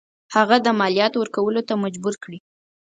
هغه د مالیاتو ورکولو ته مجبور کړي.